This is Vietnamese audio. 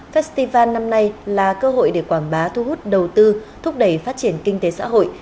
festival năm nay là cơ hội để quảng bá thu hút đầu tư thúc đẩy phát triển kinh tế xã hội